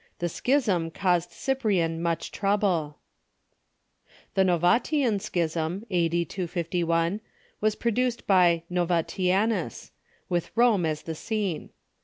The schism caused Cyprian much trouble. The Novatian schism, a.d. 251, was produced by Novatianus, with Rome as the scene.